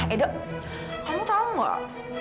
edo kamu tau gak